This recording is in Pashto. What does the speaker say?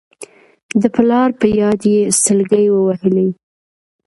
د پلار په ياد يې سلګۍ ووهلې.